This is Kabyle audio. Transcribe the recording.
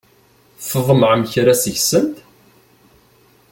Tḍemɛem kra seg-sent?